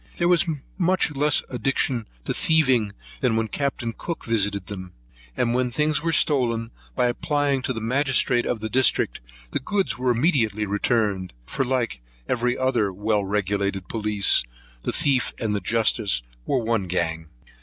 They are much less addicted to thieving than when Capt. Cook visited them; and when things were stolen, by applying to the magistrate of the district, the goods were immediately returned; for, like every other well regulated police, the thief and justice were of one gang.